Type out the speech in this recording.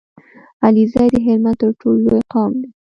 عليزی د هلمند تر ټولو لوی قوم دی